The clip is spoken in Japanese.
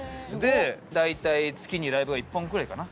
大体月にライブが１本くらいかな？